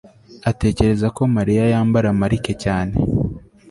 atekereza ko mariya yambara marike cyane